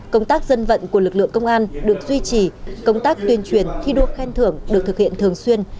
công tác dân vận của lực lượng công an được duy trì công tác tuyên truyền thi đua khen thưởng được thực hiện thường xuyên